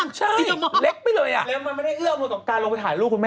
แล้วมันไม่ได้เอื้อมกับการลงไปถ่ายรูปคุณแม่